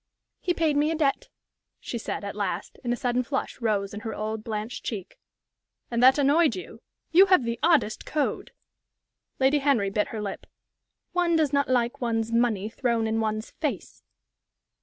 "He paid me a debt," she said, at last, and a sudden flush rose in her old, blanched cheek. "And that annoyed you? You have the oddest code!" Lady Henry bit her lip. "One does not like one's money thrown in one's face."